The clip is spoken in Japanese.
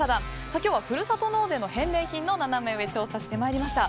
今日はふるさと納税の返礼品のナナメ上、調査してまいりました。